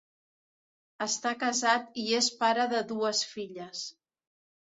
Està casat i és pare de dues filles.